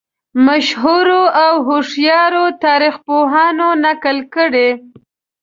مشهورو او هوښیارو تاریخ پوهانو نقل کړې.